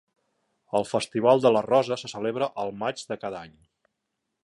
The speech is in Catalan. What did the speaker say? El Festival de la Rosa se celebra el maig de cada any.